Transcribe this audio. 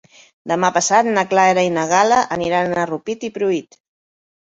Demà passat na Clara i na Gal·la aniran a Rupit i Pruit.